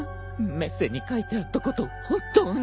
メッセに書いてあったこと本当に？